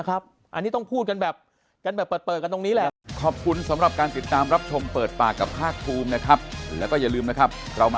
อันนี้ต้องพูดกันแบบ